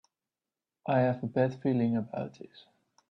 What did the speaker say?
I have a bad feeling about this!